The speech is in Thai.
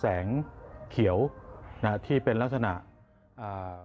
แสงก็เลยสะท้อนเป็นมุมกว้างแล้วก็เห็นแสงที่มองในระยะไกลจะเหมือนแสงเหนือ